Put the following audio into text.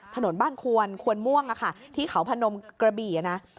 ถนนบ้านควนควนม่วงที่เขาพนมกระบี่นะ